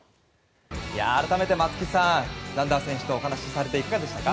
改めて、松木さんザンダー選手とお話しされていかがでしたか？